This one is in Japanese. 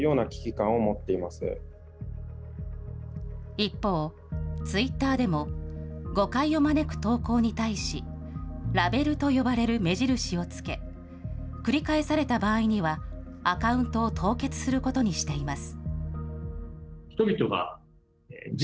一方、ツイッターでも誤解を招く投稿に対し、ラベルと呼ばれる目印をつけ、繰り返された場合にはアカウントを凍結することにしています。